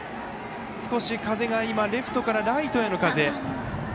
少し風が今レフトからライトへの風。